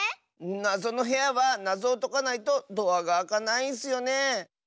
なぞのへやはなぞをとかないとドアがあかないんスよね。